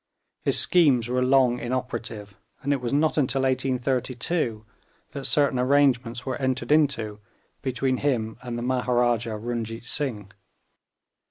His schemes were long inoperative, and it was not until 1832 that certain arrangements were entered into between him and the Maharaja Runjeet Singh.